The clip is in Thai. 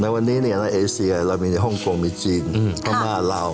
ในวันนี้เนี่ยในเอเซียเรามีในฮ่องโกงมีจีนฮ่อม่าลาว